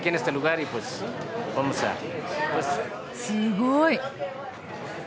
すごい。